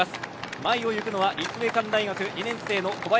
前をいくのは立命館大学２年生の小林。